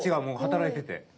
もう働いてて。